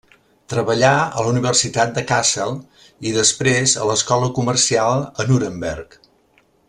Treballà a la Universitat de Kassel i després a l'escola comercial a Nuremberg.